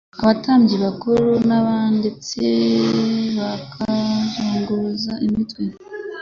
abatambyi bakuru n'abanditsi bakamuzunguriza imitwe